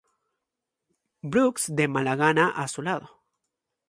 Brooks de mala gana a su lado.